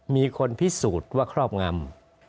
มีคนพิสูจน์ว่าครอบงำ